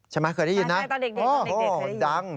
ใช่ไหมเคยได้ยินนะโอ้โฮดังใช่ตอนเด็ก